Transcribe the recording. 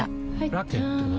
ラケットは？